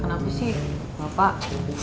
kenapa sih bapak